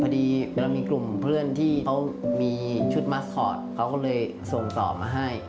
พอดีเวลามีกลุ่มเพื่อนที่เขามีชุดมัสคอร์ตเขาก็เลยส่งต่อมาให้